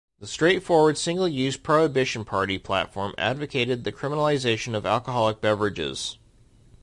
The straightforward single-issue Prohibition Party platform advocated the criminalization of alcoholic beverages.